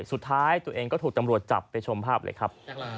สุดท้ายก็ถูกตังค์จ้ำไปชมภาพเลยครับ